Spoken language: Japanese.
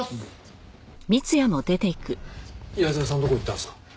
矢沢さんどこ行ったんですか？